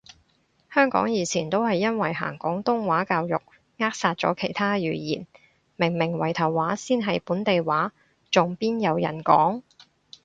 香港以前都係因為行廣東話教育扼殺咗其他語言，明明圍頭話先係本地話，仲邊有人講？